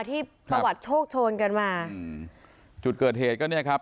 ที่ประวัติโชคโชนกันมาอืมจุดเกิดเหตุก็เนี่ยครับ